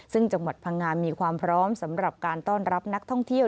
ซึ่งจังหวัดพังงามีความพร้อมสำหรับการต้อนรับนักท่องเที่ยว